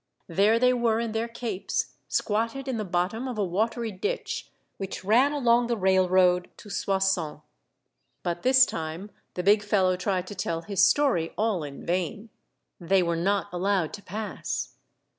There they were in their capes, squatted in the bottom of a watery ditch which ran along the railroad to Soissons. But this time the big fellow tried to tell his story all in vain. They were not allowed to pass.